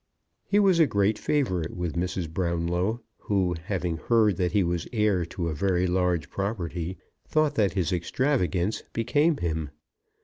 He was a great favourite with Mrs. Brownlow, who, having heard that he was heir to a very large property, thought that his extravagance became him.